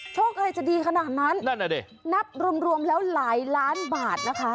โชคจะได้ใดดีขนาดนั้นนับรุมแล้วหลายล้านบาทนะคะ